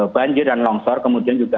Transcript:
banjir dan longsor kemudian juga